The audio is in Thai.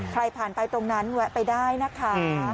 ใครผ่านไปตรงนั้นแวะไปได้นะคะ